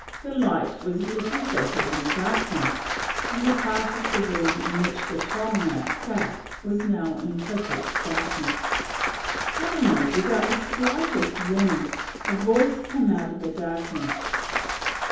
The light was little better than darkness; and the part of the room in which the tohunga sat was now in perfect darkness. Suddenly, without the slightest warning, a voice came out of the darkness.